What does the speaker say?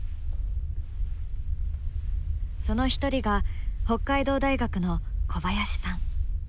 その一人が北海道大学の小林さん。